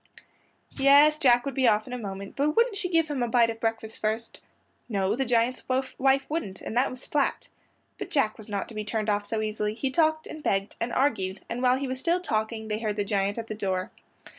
Yes, Jack would be off in a moment, but wouldn't she give him a bite of breakfast first? No, the giant's wife wouldn't, and that was flat. But Jack was not to be turned off so easily; he talked and begged and argued, and while he was still talking they heard the giant at the door.